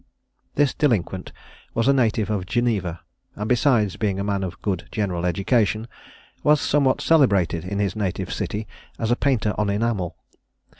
This delinquent was a native of Geneva; and besides being a man of good general education, was somewhat celebrated in his native city as a painter on enamel.